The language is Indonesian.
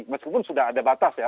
meskipun sudah ada batas ya